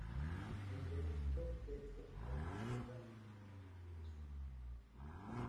Entre estos textos, algunos tocaron el tema de la pintura y su origen.